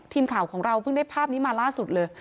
ทีมข่าวของเราเพิ่งได้ภาพนี้มาล่าสุดเลย